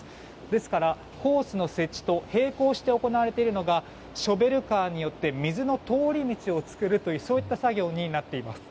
ですから、ホースの設置と並行して行われているのがショベルカーによって水の通り道を作るといった作業になっています。